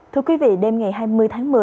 thưa quý vị đêm ngày hai mươi tháng một mươi